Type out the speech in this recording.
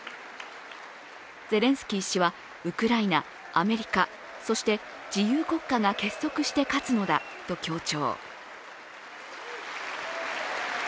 ゼレンスキー氏はウクライナ、アメリカ、そして自由国家が結束して勝つのだと強調。